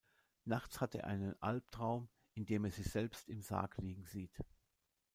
Nachts hat er einen Alptraum, in dem er sich selbst im Sarg liegen sieht.